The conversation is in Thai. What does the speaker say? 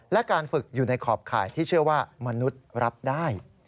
และการฝึกอยู่ในขอบข่ายที่เชื่อว่ามนุษย์รับได้